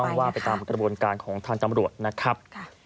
ว่าไปตามกระบวนการของทางตำรวจนะครับ